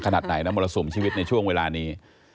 ขนาดไหนนะมรสุมชีวิตในช่วงเวลานี้